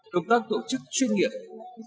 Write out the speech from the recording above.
công tác tổ chức chuyên nghiệp